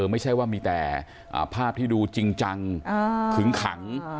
ไม่ใช่ว่ามีแต่ภาพที่ดูจริงจังขึงขัง